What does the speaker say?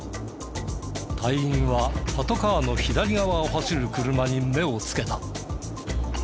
隊員はパトカーの左側を走る車に目をつけた。